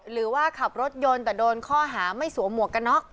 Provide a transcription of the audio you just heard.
หรือว่าขับรถยนต์แต่โดนข้อหาไม่สวมหมวกกันน็อก